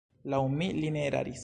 Laŭ mi, li ne eraris.